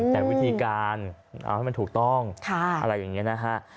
แต่วิธีการเอาให้มันถูกต้องอะไรอย่างนี้นะฮะ